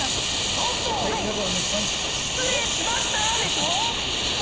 ちょっと「失礼しました」でしょ。